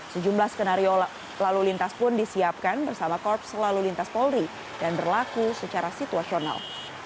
sejumlah skenario lalu lintas pun disiapkan bersama korps lalu lintas polri dan berlaku secara situasional